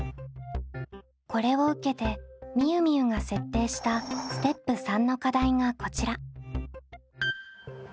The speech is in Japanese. これを受けてみゆみゆが設定したステップ③の課題がこちら。